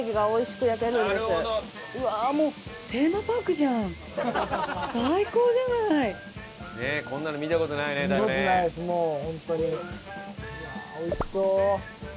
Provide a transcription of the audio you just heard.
おいしそう。